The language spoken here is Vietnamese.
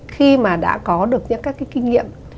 khi mà đã có được những cái kinh nghiệm